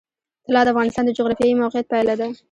طلا د افغانستان د جغرافیایي موقیعت پایله ده.